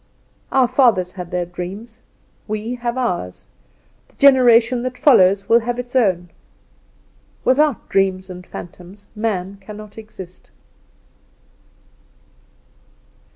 Our fathers had their dream; we have ours; the generation that follows will have its own. Without dreams and phantoms man cannot exist.